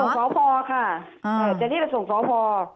ส่งฟ้าพอค่ะจะที่ส่งฟ้าพอ